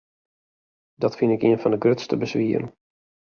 Dat fyn ik ien fan de grutste beswieren.